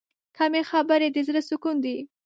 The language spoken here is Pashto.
کمې خبرې، د زړه سکون دی.